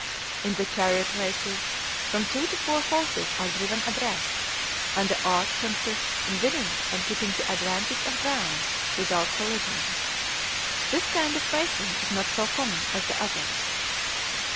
In the chariot races from two to four horses are driven abreast, and the art consists in winning and keeping the advantage of ground without collision. This kind of racing is not so common as the others.